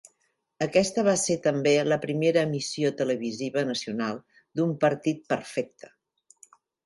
Aquesta va ser també la primera emissió televisiva "nacional" d'un partit perfecte.